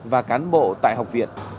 và cán bộ tại học viện